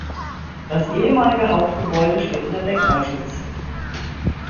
Das ehemalige Hauptgebäude steht unter Denkmalschutz.